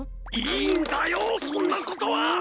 いいんだよそんなことは！